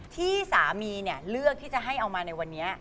ที่สามีเลือกที่จะให้เอามาในวันนี้